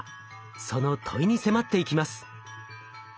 その問いに迫っていきます。